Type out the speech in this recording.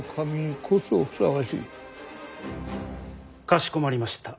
かしこまりました。